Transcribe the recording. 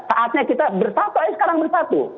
saatnya kita bersatu ayo sekarang bersatu